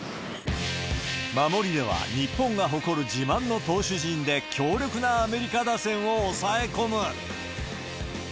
守りでは、日本が誇る自慢の投手陣で、強力なアメリカ打線を抑え込む。